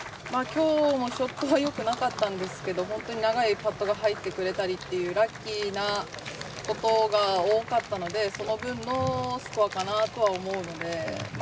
今日もショットはよくなかったんですが本当に長いパットが入ってくれたりというラッキーなことが多かったのでその分のスコアかなとは思うんで。